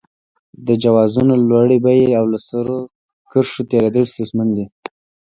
د جوازونو لوړې بیې او له سرو کرښو تېرېدل ستونزمن دي.